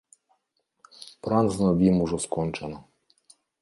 Праца над ім ужо скончана.